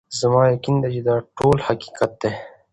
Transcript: زما یقین دی چي دا ټوله حقیقت دی